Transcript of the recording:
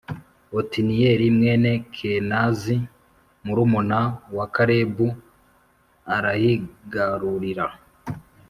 otiniyeli+ mwene kenazi,+ murumuna wa kalebu,+ arahigarurira,